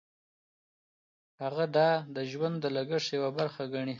هغه دا د ژوند د لګښت یوه برخه ګڼي.